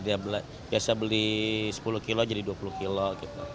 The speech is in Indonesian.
dia biasa beli sepuluh kilo jadi dua puluh kilo gitu